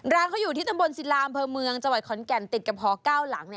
ร้านเขาอยู่ที่ตำบลสิรามเผอร์เมืองจาวัดคอนแก่มติดกับหอเก้าหลัง